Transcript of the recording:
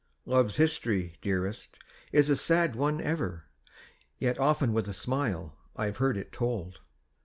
Love's history, dearest, is a sad one ever, Yet often with a smile I've heard it told!